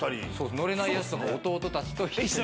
乗れないやつとか弟たちと。